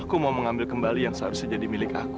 aku mau mengambil kembali yang harus jadi kemilih aku